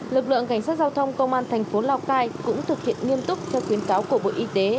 lực lượng cảnh sát giao thông công an thành phố lào cai cũng thực hiện nghiêm túc theo khuyến cáo của bộ y tế